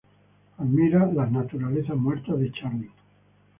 Admira las naturalezas muertas de Chardin.